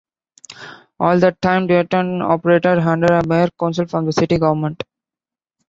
At that time Dayton operated under a mayor-council form of city government.